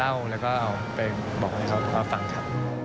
เล่าแล้วก็เอาไปบอกให้เขาเพราะว่าฟังค่ะ